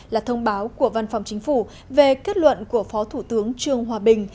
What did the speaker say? là thông báo của văn phòng chính phủ về kết luận của phó thủ tướng trương hòa bình